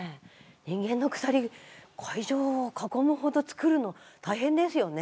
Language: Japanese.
人間の鎖会場を囲むほど作るの大変ですよね。